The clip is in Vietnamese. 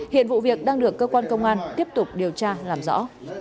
hiện vụ việc đang được cơ quan công an tiếp tục điều tra làm rõ